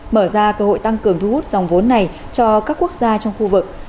mở ra cơ hội tăng cường thu hút dòng vốn này cho các quốc gia trong khu vực